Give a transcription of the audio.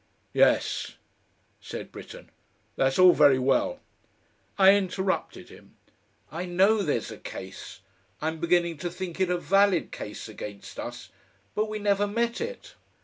"Yes," said Britten. "That's all very well " I interrupted him. "I know there's a case I'm beginning to think it a valid case against us; but we never met it!